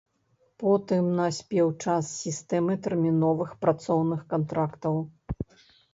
Потым наспеў час сістэмы тэрміновых працоўных кантрактаў.